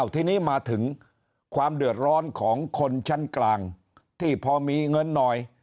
ทีนี้มาถึงความเดือดร้อนของคนชั้นกลางที่พอมีเงินหน่อย